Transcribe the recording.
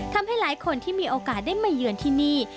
ทำให้หลายคนที่มีโอกาสได้มาเยือนที่นี่